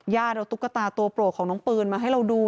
เอาตุ๊กตาตัวโปรดของน้องปืนมาให้เราดู